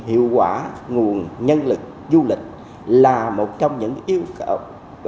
hiệu quả nguồn nhân lực du lịch là một trong những yêu cầu